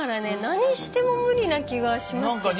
何しても無理な気がしますけど。